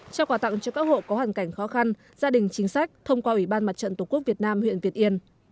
trao quà tặng cho các hộ có hoàn cảnh khó khăn gia đình chính sách thông qua ủy ban mặt trận tổ quốc việt nam huyện việt yên